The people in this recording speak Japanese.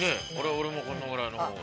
俺もこのぐらいの方が。